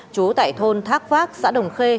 chú tại thôn thác phác xã đồng khê